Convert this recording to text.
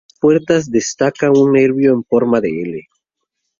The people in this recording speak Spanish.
En las puerta destaca un nervio en forma de "L".